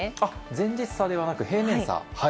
前日差ではなく平年差。